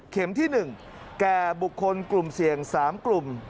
ที่๑แก่บุคคลกลุ่มเสี่ยง๓กลุ่ม